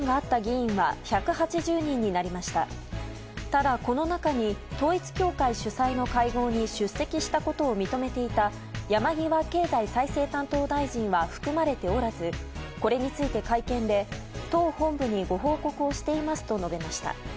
ただ、この中に統一教会主催の会合に出席したことを認めていた山際経済再生担当大臣は含まれておらずこれについて会見で党本部にご報告をしていますと述べました。